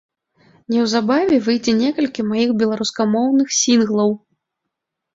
Неўзабаве выйдзе некалькі маіх беларускамоўных сінглаў.